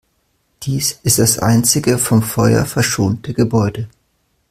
Dies ist das einzige vom Feuer verschonte Gebäude.